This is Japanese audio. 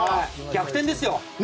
逆転ですよ！